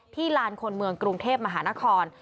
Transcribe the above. ลานคนเมืองกรุงเทพมหานคร